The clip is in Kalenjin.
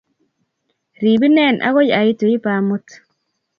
Rib inee akoi aitu ipamut